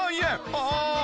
ああ！